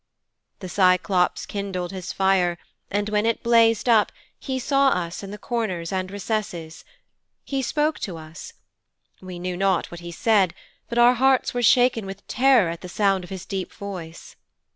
'The Cyclops kindled his fire, and when it blazed up he saw us in the corners and recesses. He spoke to us. We knew not what he said, but our hearts were shaken with terror at the sound of his deep voice.'